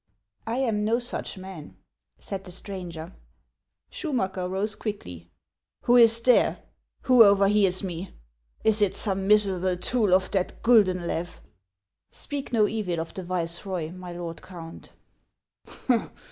"I am no such man," said the stranger. Schumacker rose quickly. " Who is here ? "Who over hears me ? Is it some miserable tool of that GuLienlew ?"" Speak no evil of the viceroy, my lord Count."